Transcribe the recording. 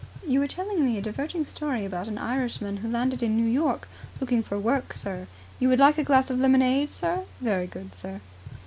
"You were telling me a diverting story about an Irishman who landed in New York looking for work, sir. You would like a glass of lemonade, sir? Very good, sir."